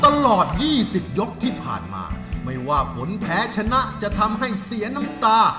ตลอด๒๐ยกที่ผ่านมาไม่ว่าผลแพ้ชนะจะทำให้เสียน้ำตา